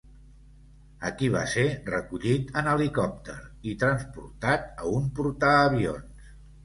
Aquí va ser recollit en helicòpter i transportat a un portaavions.